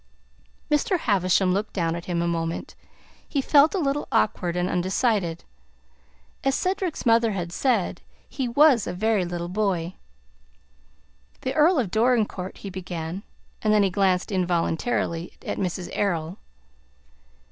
Mr. Havisham looked down at him a moment. He felt a little awkward and undecided. As Cedric's mother had said, he was a very little boy. "The Earl of Dorincourt " he began, and then he glanced involuntarily at Mrs. Errol.